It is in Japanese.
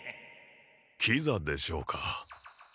キザでしょうか。